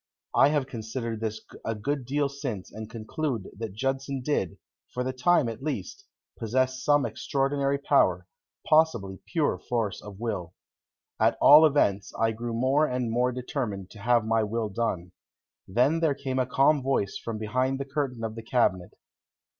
I have considered this a good deal since and conclude that Judson did, for the time at least, possess some extraordinary power, possibly pure force of will. At all events, I grew more and more determined to have my will done. Then there came a calm voice from behind the curtain of the cabinet.